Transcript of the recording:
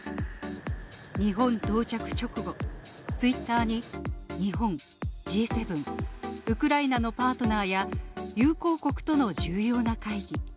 日本到着直後、ツイッターに、日本、Ｇ７、ウクライナのパートナーや、友好国との重要な会議。